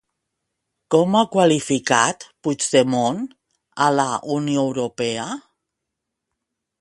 Com ha qualificat Puigdemont a la Unió Europea?